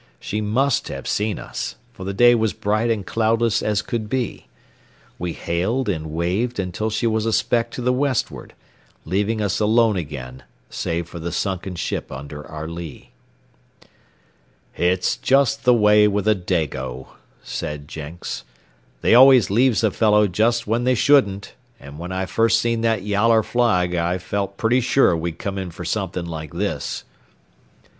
She must have seen us, for the day was bright and cloudless as could be. We hailed and waved until she was a speck to the westward, leaving us alone again save for the sunken ship under our lee. "It's just the way with a Dago," said Jenks. "They always leaves a fellow just when they shouldn't, and when I first seen that yaller flag I felt pretty sure we'd come in fer somethin' like this."